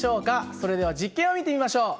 それでは実験を見てみましょう。